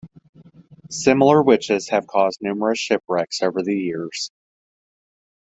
Similar witches have caused numerous shipwrecks over the years.